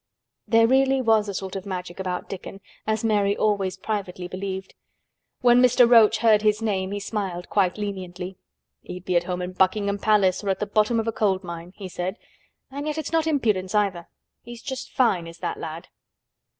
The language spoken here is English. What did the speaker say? There really was a sort of Magic about Dickon, as Mary always privately believed. When Mr. Roach heard his name he smiled quite leniently. "He'd be at home in Buckingham Palace or at the bottom of a coal mine," he said. "And yet it's not impudence, either. He's just fine, is that lad."